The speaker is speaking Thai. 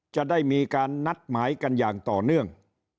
จะได้มีการนัดหมายกันอย่างต่อเนื่อง